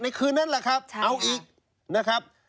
คืนนั้นแหละครับเอาอีกนะครับ